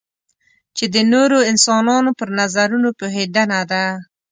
چې د نورو انسانانو پر نظرونو پوهېدنه ده.